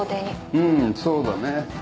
うんそうだね。